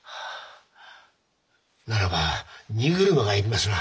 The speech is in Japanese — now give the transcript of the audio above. ならば荷車が要りますな。